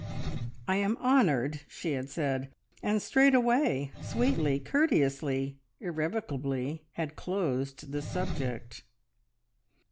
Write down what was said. "I am honoured!" she had said, and straightway, sweetly, courteously, irrevocably, had closed the subject.